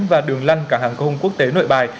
và đường lăn cảng hàng không quốc tế nội bài